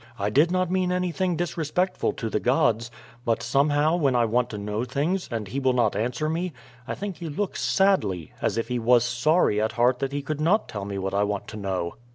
I did not mean anything disrespectful to the gods. But somehow when I want to know things, and he will not answer me, I think he looks sadly, as if he was sorry at heart that he could not tell me what I want to know."